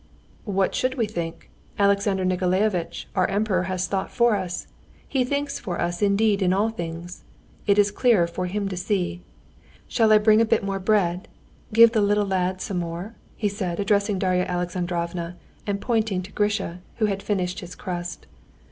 "What should we think? Alexander Nikolaevitch our Emperor has thought for us; he thinks for us indeed in all things. It's clearer for him to see. Shall I bring a bit more bread? Give the little lad some more?" he said addressing Darya Alexandrovna and pointing to Grisha, who had finished his crust.